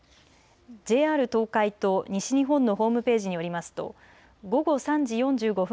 ＪＲ東海と西日本のホームページによりますと午後３時４５分